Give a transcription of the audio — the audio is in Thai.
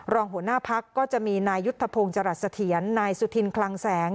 รองหัวหน้าพักก็จะมีนายยุทธพงศ์จรัสเสถียรนายสุธินคลังแสง